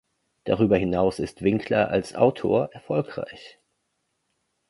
Darüber hinaus ist Winkler als Autor erfolgreich.